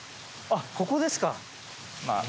ここですか。